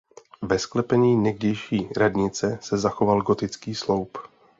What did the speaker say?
Ve sklepení někdejší radnice se zachoval gotický sloup.